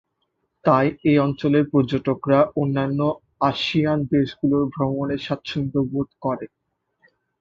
তাই এই অঞ্চলের পর্যটকরা অন্যান্য আসিয়ান দেশগুলোতে ভ্রমণে স্বাচ্ছন্দ্য বোধ করে।